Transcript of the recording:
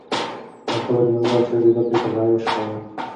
ناڅاپه د موبایل شور د ده د فکر لړۍ وشکوله.